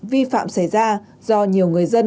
vi phạm xảy ra do nhiều người dân